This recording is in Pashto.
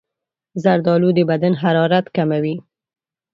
زردالو د بدن حرارت کموي.